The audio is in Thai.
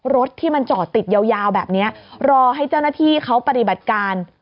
รถที่มันจอดติดยาวแบบนี้รอให้เจ้าหน้าที่เขาปฏิบัติการ